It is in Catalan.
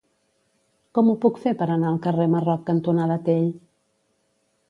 Com ho puc fer per anar al carrer Marroc cantonada Tell?